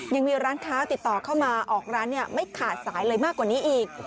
ยังมีร้านค้าติดต่อเข้ามาออกร้านไม่ขาดสายเลยมากกว่านี้อีก